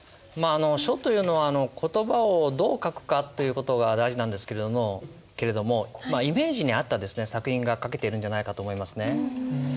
書というのは言葉をどう書くかという事が大事なんですけれどもイメージに合った作品が書けているんじゃないかと思いますね。